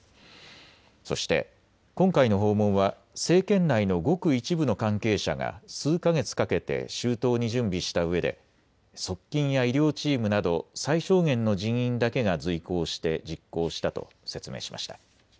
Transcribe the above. そして今回の訪問は政権内のごく一部の関係者が数か月かけて周到に準備したうえで側近や医療チームなど最小限の人員だけが随行して実行したと説明しました。